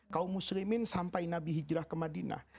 kaum muslimin sampai nabi hijrah ke madinah